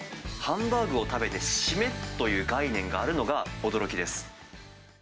ハンバーグを食べて締めという概念があるのが驚きです。